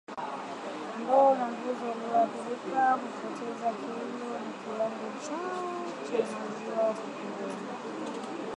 Kondoo na mbuzi walioathirika hupoteza kilo na kiwango chao cha maziwa hupungua